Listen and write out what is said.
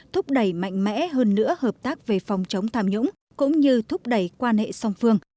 thúc đẩy mạnh mẽ hơn nữa hợp tác về phòng chống tham nhũng cũng như thúc đẩy quan hệ song phương